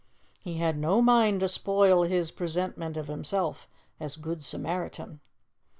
He had no mind to spoil his presentment of himself as Good Samaritan.